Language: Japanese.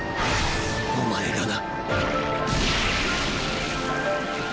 お前がな。